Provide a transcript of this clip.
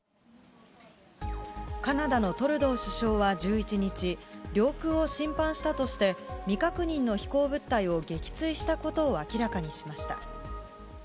カナダのトルドー首相は１１日、領空を侵犯したとして、未確認の飛行物体を撃墜したことを明らかにしました。